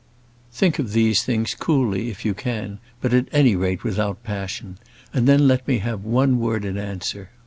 ] Think of these things, coolly, if you can, but, at any rate, without passion: and then let me have one word in answer.